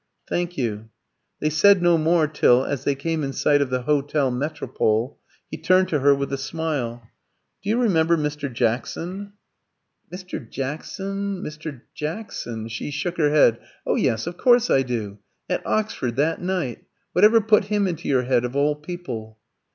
"Thank you." They said no more till, as they came in sight of the Hôtel Metropole, he turned to her with a smile "Do you remember Mr. Jackson?" "Mr. Jackson? Mr. Jackson?" She shook her head. "Oh yes, of course I do. At Oxford, that night? Whatever put him into your head, of all people?"